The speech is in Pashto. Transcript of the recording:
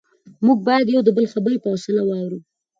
موږ باید د یو بل خبرې په حوصله واورو